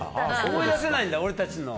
思い出せないんだ、俺たちの。